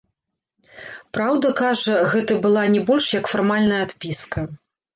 Праўда, кажа, гэта была не больш, як фармальная адпіска.